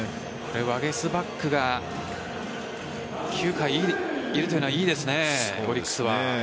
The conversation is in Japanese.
ワゲスパックが９回いるというのはいいですねオリックスは。